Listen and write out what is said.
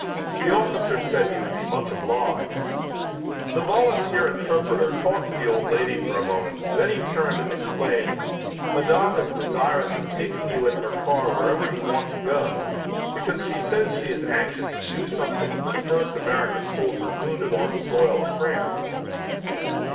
The officer said he would be much obliged. The volunteer interpreter talked to the old lady for a moment and then he turned and explained: "Madame is desirous of taking you in her car wherever you want to go, because she says she is anxious to do something for the first American soldier wounded on the soil of France."